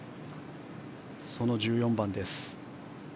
その１４番です。